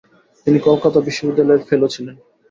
তিনি কলকাতা বিশ্ববিদ্যালয়ের ফেলো ছিলেন।